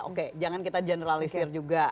oke jangan kita generalisir juga